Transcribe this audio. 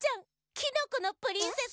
「キノコのプリンセス」！